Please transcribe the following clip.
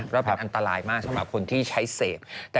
เราก็จะได้แหละ